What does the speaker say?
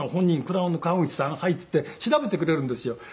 「クラウンの川口さん？はい」って言って調べてくれるんですよ。